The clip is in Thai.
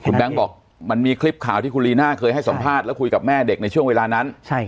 แบงค์บอกมันมีคลิปข่าวที่คุณลีน่าเคยให้สัมภาษณ์แล้วคุยกับแม่เด็กในช่วงเวลานั้น